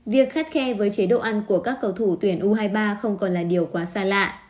việc khắt khe với chế độ ăn của các cầu thủ tuyển u hai mươi ba không còn là điều quá xa lạ